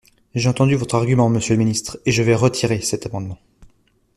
J’ai entendu votre argument, monsieur le ministre, et je vais retirer cet amendement.